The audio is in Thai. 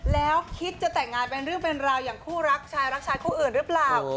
แล้วคิดจะแต่งงานเป็นเรื่องเป็นราวอย่างคู่รักชายรักชายคู่อื่นหรือเปล่า